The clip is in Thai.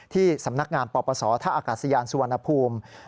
ที่สำนักงานปปศท่าอากาศยานสุวรรณภูมิ